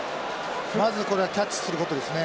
まずこれはキャッチすることですね。